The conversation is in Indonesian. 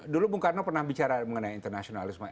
dulu bung karno pernah bicara mengenai internasionalisme